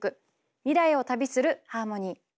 「未来を旅するハーモニー」。